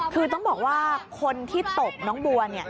คือต้องบอกว่าคนที่ตบน้องบัวเนี่ย